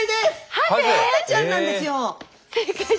ハゼちゃんなんですよ。